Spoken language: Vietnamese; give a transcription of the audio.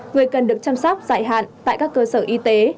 người cần được chăm sóc dài hạn tại các cơ sở y tế